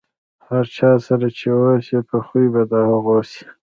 د هر چا سره چې اوسئ، په خوي به د هغو سئ.